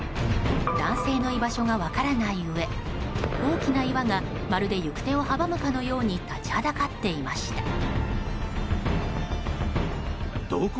男性の居場所が分からないうえ大きな岩がまるで行く手を阻むかのように立ちはだかっていました。